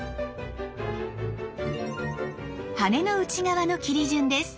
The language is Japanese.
羽の内側の切り順です。